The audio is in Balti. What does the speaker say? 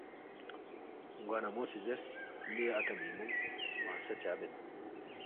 گوا نہ مو سی زیرس، لے اتا مِنگمونگ ہرمنگسہ چا بید؟